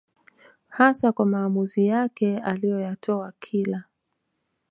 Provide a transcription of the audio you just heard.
hasa kwa maamuzi yake aliyoyatoa kila